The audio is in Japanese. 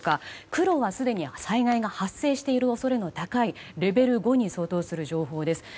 黒はすでに災害が発生している恐れの高いレベル５に相当する情報です。